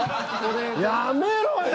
やめろよ！